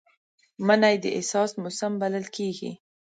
مني د احساس موسم بلل کېږي